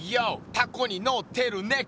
タコにのってるねこ」